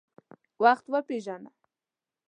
وخت وپیژنه.